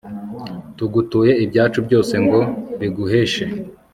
tugutuye ibyacu byose, ngo biguheshe